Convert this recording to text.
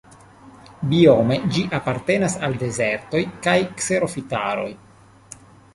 Biome ĝi apartenas al dezertoj kaj kserofitaroj.